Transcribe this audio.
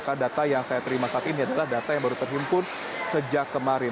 karena data yang saya terima saat ini adalah data yang baru terhimpun sejak kemarin